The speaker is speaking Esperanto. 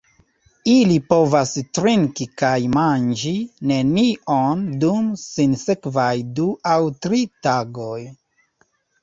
Ili povas trinki kaj manĝi nenion dum sinsekvaj du aŭ tri tagoj.